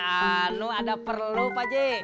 anu ada perlu pak ji